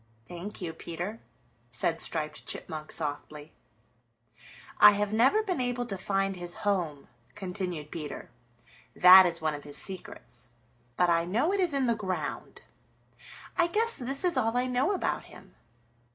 "Thank you, Peter," said Striped Chipmunk softly. "I never have been able to find his home," continued Peter. "That is one of his secrets. But I know it is in the ground. I guess this is all I know about him.